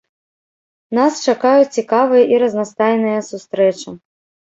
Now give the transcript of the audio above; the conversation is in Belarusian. Нас чакаюць цікавыя і разнастайныя сустрэчы.